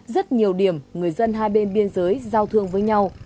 rất nhiều điểm người dân hai bên biên giới giao thương với nhau